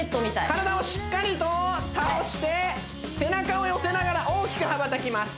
体をしっかりと倒して背中を寄せながら大きく羽ばたきます